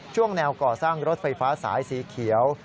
ช่วงแนวก่อสร้างรถไฟฟ้าสายสีเขียว